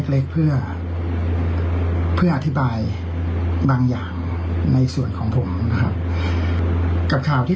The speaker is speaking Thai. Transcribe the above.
เล็กเพื่อเพื่ออธิบายบางอย่างในส่วนของผมนะครับกับข่าวที่